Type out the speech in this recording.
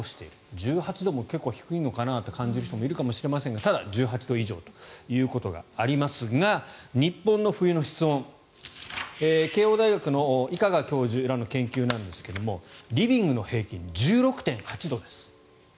１８度も結構低いのかなと感じる人もいるかもしれませんがただ１８以上ということがありますが日本の冬の室温、慶應大学の伊香賀教授らの研究ですがリビングの平均１６．８度です。